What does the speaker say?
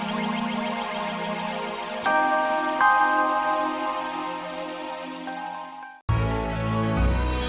terima kasih banyak ya satria